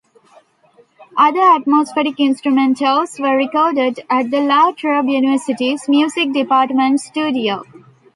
Other atmospheric instrumentals were recorded at the LaTrobe University's music department's studio.